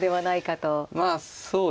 まあそうですね。